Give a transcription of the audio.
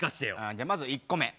じゃあまず１個目。